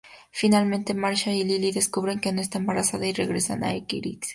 Finalmente, Marshall y Lily descubren que no está embarazada, y regresan a Eriksen.